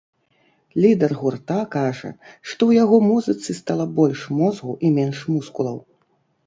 Лідэр гурта кажа, што ў яго музыцы стала больш мозгу і менш мускулаў.